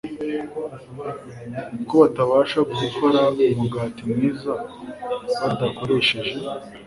ko batabasha gukora umugati mwiza badakoresheje